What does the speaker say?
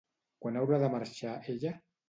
Quan haurà de marxar ella?